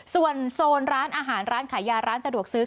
ส่วนโซนร้านอาหารร้านขายยาร้านสะดวกซื้อ